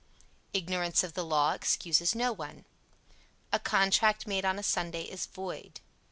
Ignorance of the law excuses no one. A contract made on a Sunday is void.